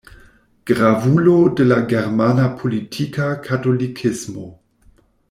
Gravulo de la germana politika katolikismo.